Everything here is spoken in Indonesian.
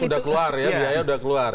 kos udah keluar ya biaya udah keluar ya